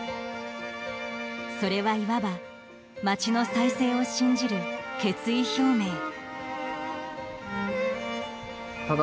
それはいわば町の再生を信じる決意表明。